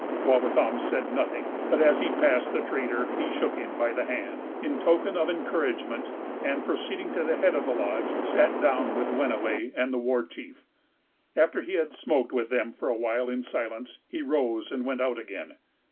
Wawatam said nothing; but, as he passed the trader, he shook him by the hand, in token of encouragement, and, proceeding to the head of the lodge, sat down with Wenniway and the war chief. After he had smoked with them for a while in silence, he rose and went out again.